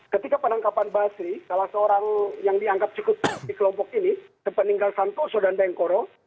ketika penangkapan basri salah seorang yang dianggap cukup kuat di kelompok ini sepeninggal santoso dan daengkoro